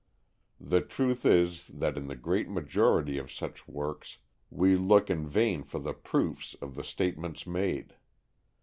The truth is that in the great majority of such works we look in vain for the proofs of the statements made.